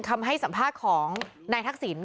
คำให้สัมภาษณ์ของนายทักษิณ